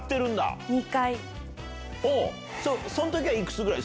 そん時はいくつぐらい？